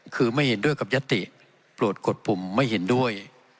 คือไม่เห็นด้วยกับยติโปรดกดปุ่มไม่เห็นด้วย